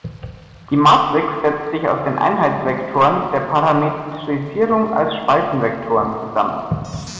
Die Matrix setzt sich aus den Einheitsvektoren der Parametrisierung als Spaltenvektoren zusammen.